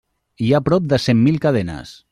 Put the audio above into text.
Hi ha prop de cent mil cadenes.